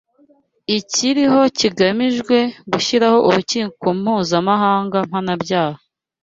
ikiriho kigamijwe gushyiraho Urukiko mpuzamahanga mpanabyaha